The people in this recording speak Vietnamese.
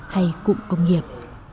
hay cụm công nghiệp